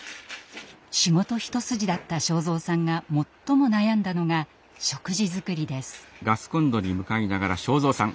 仕事一筋だった昭蔵さんが最も悩んだのが食事作りです。